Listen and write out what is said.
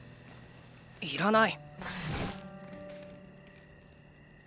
いらない。